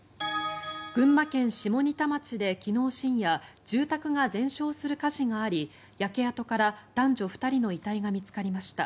群馬県下仁田町で昨日深夜住宅が全焼する火事があり焼け跡から男女２人の遺体が見つかりました。